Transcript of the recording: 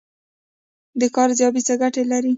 د کار ارزیابي څه ګټه لري؟